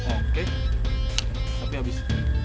oke tapi abis